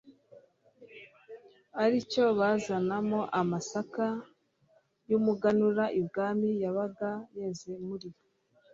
ari cyo bazazanamo amasaka y'umuganura ibwami yabaga yeze muri